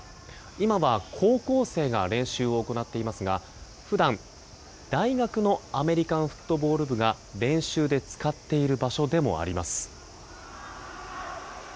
今は、高校生が練習を行っていますが普段、大学のアメリカンフットボール部が練習で使っている場所でもあります。